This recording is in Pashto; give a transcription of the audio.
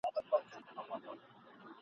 د شته من پر کور یو وخت د غم ناره سوه !.